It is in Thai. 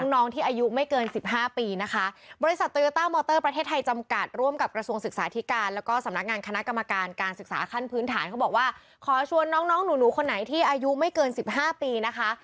น้องที่อายุไม่เกิน๑๕ปีนะคะ